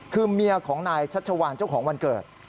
คือเมียของนายชัชวานเจ้าของวันเกิด